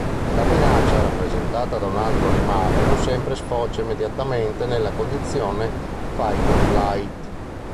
La minaccia rappresentata da un altro animale non sempre sfocia immediatamente nella condizione fight-or-flight.